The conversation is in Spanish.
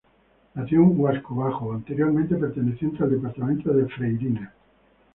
Nació en Huasco Bajo, anteriormente perteneciente al Departamento de Freirina.